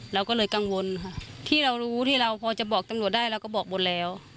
เราก็เลยกังวลค่ะที่เรารู้ที่เราพอจะบอกตำรวจได้เราก็บอกหมดแล้ว